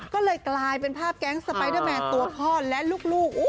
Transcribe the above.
ก็เลยกลายเป็นภาพแก๊งสไปเดอร์แมนตัวพ่อและลูก